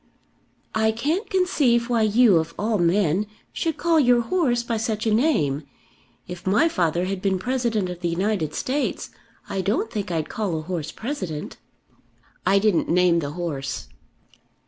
"I can't conceive why you of all men should call your horse by such a name. If my father had been President of the United States, I don't think I'd call a horse President." "I didn't name the horse."